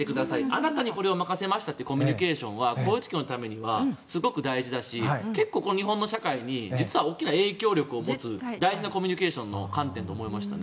あなたにこれを任せましたというコミュニケーションはこういう時のためにはすごく大事だし結構、日本の社会に実は大きな影響力を持つ大事なコミュニケーションの観点だと思いました。